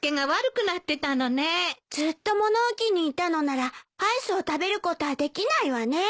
ずっと物置にいたのならアイスを食べることはできないわね。